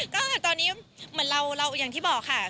ก็ตอนนี้เหมือนเราอย่างที่บอกค่ะ